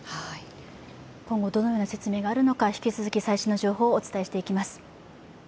今後どのような説明があるのか、引き続き最新の情報をお伝えしていきます。